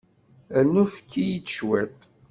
Rnu efk-iyi-d cwiṭ.